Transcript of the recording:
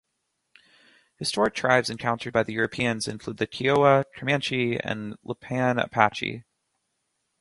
Historic tribes encountered by Europeans included the Kiowa, Comanche, and Lipan Apache.